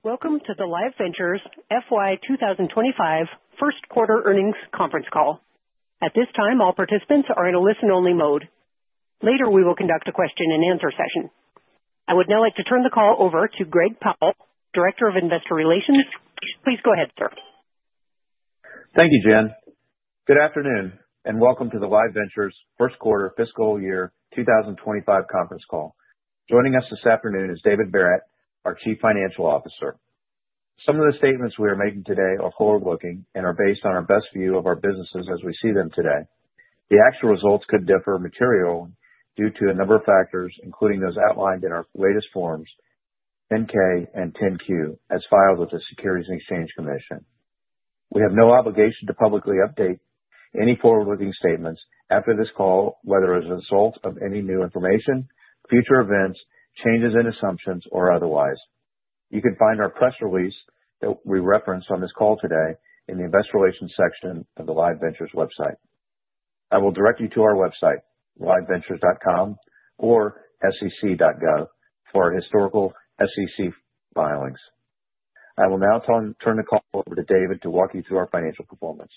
Welcome to the Live Ventures FY 2025 First Quarter Earnings Conference Call. At this time, all participants are in a listen-only mode. Later, we will conduct a question-and-answer session. I would now like to turn the call over to Greg Powell, Director of Investor Relations. Please go ahead, sir. Thank you, Jen. Good afternoon, and welcome to the Live Ventures First Quarter Fiscal Year 2025 Conference Call. Joining us this afternoon is David Verret, our Chief Financial Officer. Some of the statements we are making today are forward-looking and are based on our best view of our businesses as we see them today. The actual results could differ materially due to a number of factors, including those outlined in our latest forms 10-K and 10-Q, as filed with the Securities and Exchange Commission. We have no obligation to publicly update any forward-looking statements after this call, whether as a result of any new information, future events, changes in assumptions, or otherwise. You can find our press release that we referenced on this call today in the Investor Relations section of the Live Ventures website. I will direct you to our website, liveventures.com or sec.gov, for our historical SEC filings. I will now turn the call over to David to walk you through our financial performance.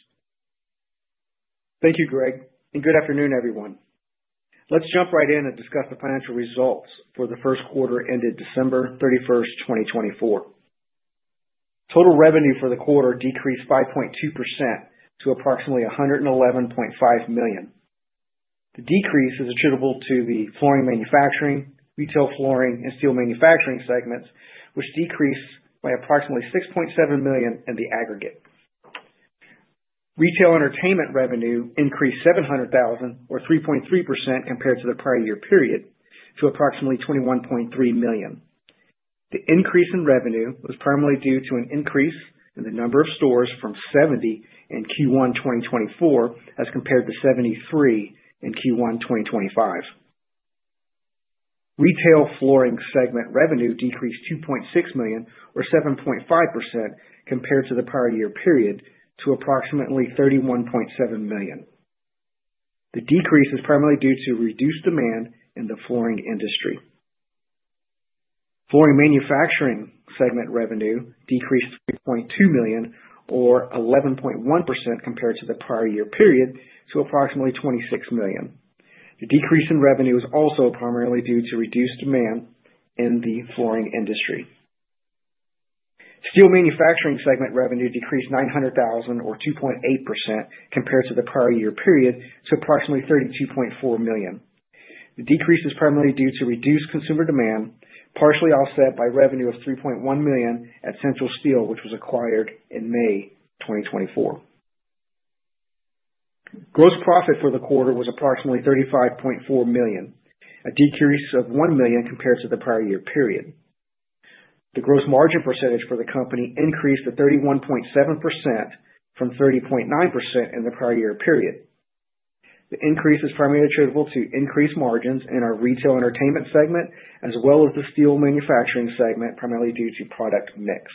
Thank you, Greg, and good afternoon, everyone. Let's jump right in and discuss the financial results for the first quarter ended December 31, 2024. Total revenue for the quarter decreased 5.2% to approximately $111.5 million. The decrease is attributable to the Flooring Manufacturing, Retail-Flooring, and Steel Manufacturing segments, which decreased by approximately $6.7 million in the aggregate. Retail-Entertainment revenue increased $700,000, or 3.3% compared to the prior year period, to approximately $21.3 million. The increase in revenue was primarily due to an increase in the number of stores from 70 in Q1 2024 as compared to 73 in Q1 2025. Retail-Flooring segment revenue decreased $2.6 million, or 7.5% compared to the prior year period, to approximately $31.7 million. The decrease is primarily due to reduced demand in the flooring industry. Flooring manufacturing segment revenue decreased $3.2 million, or 11.1% compared to the prior year period, to approximately $26 million. The decrease in revenue is also primarily due to reduced demand in the flooring industry. Steel manufacturing segment revenue decreased $900,000, or 2.8% compared to the prior year period, to approximately $32.4 million. The decrease is primarily due to reduced consumer demand, partially offset by revenue of $3.1 million at Central Steel, which was acquired in May 2024. Gross profit for the quarter was approximately $35.4 million, a decrease of $1 million compared to the prior year period. The gross margin percentage for the company increased to 31.7% from 30.9% in the prior year period. The increase is primarily attributable to increased margins in our retail-entertainment segment, as well as the steel manufacturing segment, primarily due to product mix.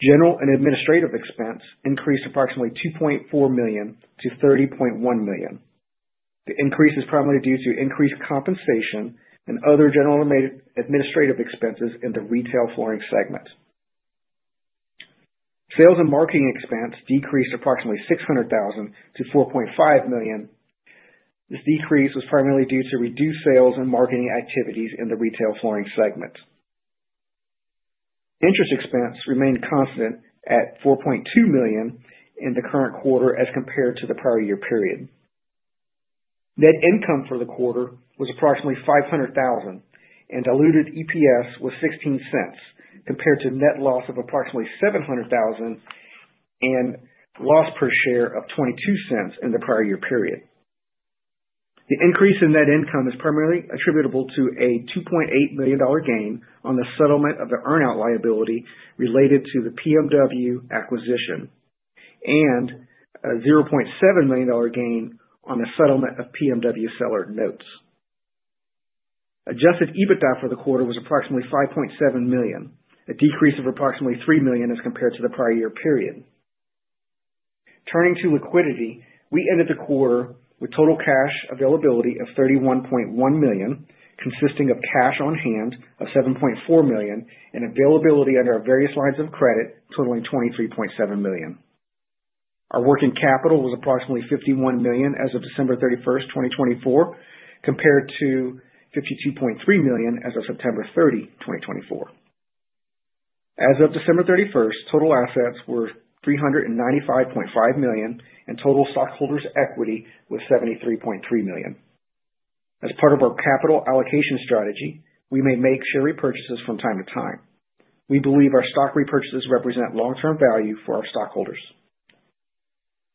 General and administrative expense increased approximately $2.4 million-$30.1 million. The increase is primarily due to increased compensation and other general administrative expenses in the Retail-Flooring segment. Sales and marketing expense decreased approximately $600,000-$4.5 million. This decrease was primarily due to reduced sales and marketing activities in the Retail-Flooring segment. Interest expense remained constant at $4.2 million in the current quarter as compared to the prior year period. Net income for the quarter was approximately $500,000, and diluted EPS was $0.16, compared to net loss of approximately $700,000 and loss per share of $0.22 in the prior year period. The increase in net income is primarily attributable to a $2.8 million gain on the settlement of the earn-out liability related to the PMW acquisition and a $0.7 million gain on the settlement of PMW seller notes. Adjusted EBITDA for the quarter was approximately $5.7 million, a decrease of approximately $3 million as compared to the prior year period. Turning to liquidity, we ended the quarter with total cash availability of $31.1 million, consisting of cash on hand of $7.4 million and availability under our various lines of credit, totaling $23.7 million. Our working capital was approximately $51 million as of December 31, 2024, compared to $52.3 million as of September 30, 2024. As of December 31, total assets were $395.5 million, and total stockholders' equity was $73.3 million. As part of our capital allocation strategy, we may make share repurchases from time to time. We believe our stock repurchases represent long-term value for our stockholders.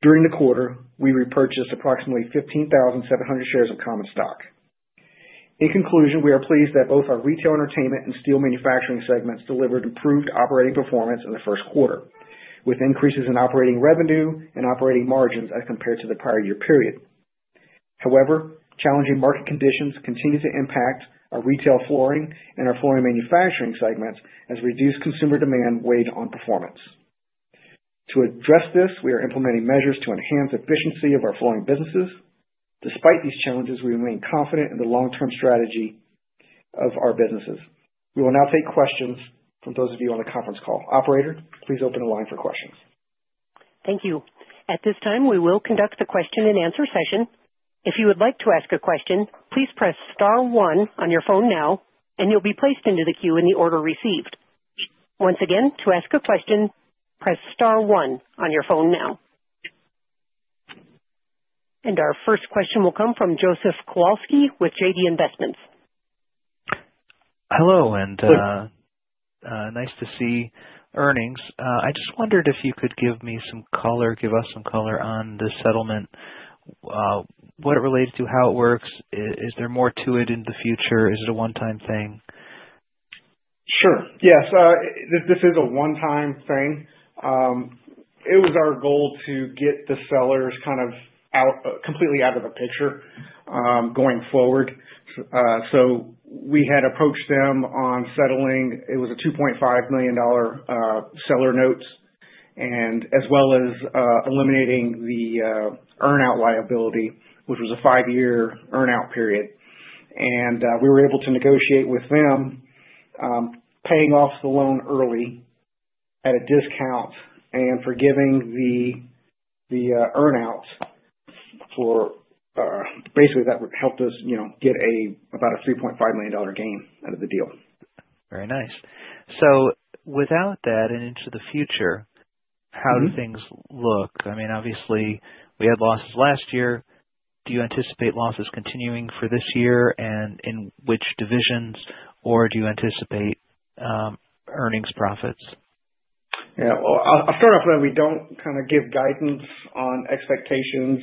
During the quarter, we repurchased approximately 15,700 shares of common stock. In conclusion, we are pleased that both our retail-entertainment and steel manufacturing segments delivered improved operating performance in the first quarter, with increases in operating revenue and operating margins as compared to the prior year period. However, challenging market conditions continue to impact our retail-flooring and our flooring manufacturing segments as reduced consumer demand weighed on performance. To address this, we are implementing measures to enhance efficiency of our flooring businesses. Despite these challenges, we remain confident in the long-term strategy of our businesses. We will now take questions from those of you on the conference call. Operator, please open the line for questions. Thank you. At this time, we will conduct the question-and-answer session. If you would like to ask a question, please press Star 1 on your phone now, and you'll be placed into the queue in the order received. Once again, to ask a question, press Star 1 on your phone now. Our first question will come from Joseph Kowalsky with JD Investments. Hello, and nice to see earnings. I just wondered if you could give me some color, give us some color on the settlement, what it relates to, how it works. Is there more to it in the future? Is it a one-time thing? Sure. Yes. This is a one-time thing. It was our goal to get the sellers kind of completely out of the picture going forward. We had approached them on settling. It was a $2.5 million seller notes, as well as eliminating the earn-out liability, which was a five-year earn-out period. We were able to negotiate with them, paying off the loan early at a discount and forgiving the earn-out for basically, that helped us get about a $3.5 million gain out of the deal. Very nice. Without that, and into the future, how do things look? I mean, obviously, we had losses last year. Do you anticipate losses continuing for this year and in which divisions, or do you anticipate earnings profits? Yeah. I'll start off with that. We don't kind of give guidance on expectations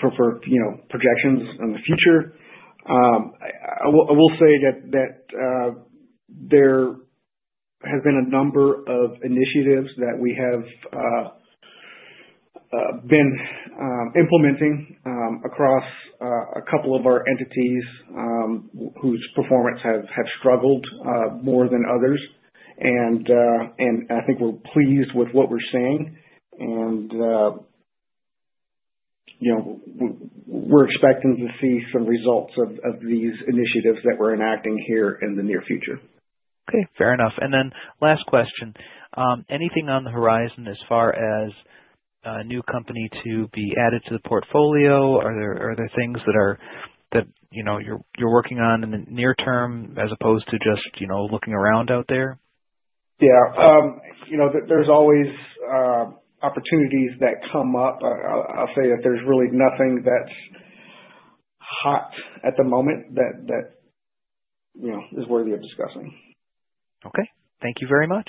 for projections in the future. I will say that there has been a number of initiatives that we have been implementing across a couple of our entities whose performance has struggled more than others. I think we're pleased with what we're seeing, and we're expecting to see some results of these initiatives that we're enacting here in the near future. Okay. Fair enough. Last question. Anything on the horizon as far as a new company to be added to the portfolio? Are there things that you're working on in the near term as opposed to just looking around out there? Yeah. There's always opportunities that come up. I'll say that there's really nothing that's hot at the moment that is worthy of discussing. Okay. Thank you very much.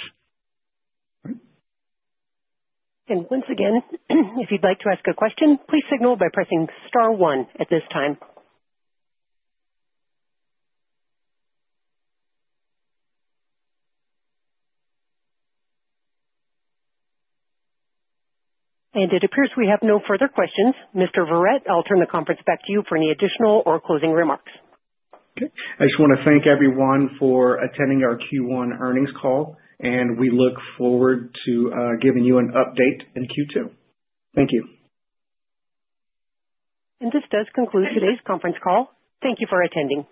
Once again, if you'd like to ask a question, please signal by pressing Star 1 at this time. It appears we have no further questions. Mr. Verret, I'll turn the conference back to you for any additional or closing remarks. Okay. I just want to thank everyone for attending our Q1 earnings call, and we look forward to giving you an update in Q2. Thank you. This does conclude today's conference call. Thank you for attending.